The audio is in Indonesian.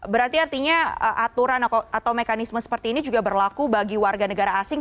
berarti artinya aturan atau mekanisme seperti ini juga berlaku bagi warga negara asing